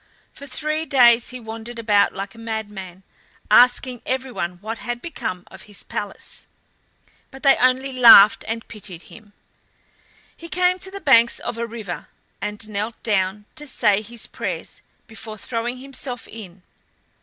For three days he wandered about like a madman, asking everyone what had become of his palace, but they only laughed and pitied him. He came to the banks of a river, and knelt down to say his prayers before throwing himself in.